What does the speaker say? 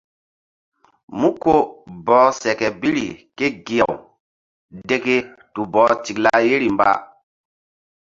Mú ko bɔh seke biri ké gi-aw deke tu bɔh tikla yeri mba.